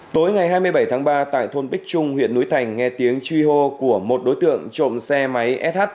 tối ngày hai mươi bảy tháng ba tại thôn bích trung huyện núi thành nghe tiếng truy hô của một đối tượng trộm xe máy sh